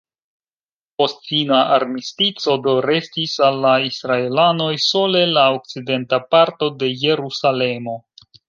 Post fina armistico do restis al la israelanoj sole la okcidenta parto de Jerusalemo.